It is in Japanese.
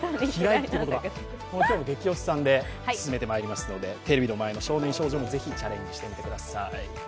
「ゲキ推しさん」で進めてまいりますのでテレビの前の少年少女もチャレンジしてみてください。